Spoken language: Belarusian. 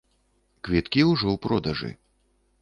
Квіткі ужо ў продажы.